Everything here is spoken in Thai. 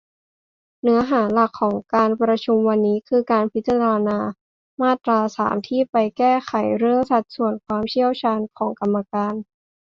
เนื้อหาหลักของการประชุมวันนี้ คือการพิจารณามาตรา สาม ที่ไปแก้ไขเรื่อง สัดส่วนความเชี่ยวชาญของกรรมการ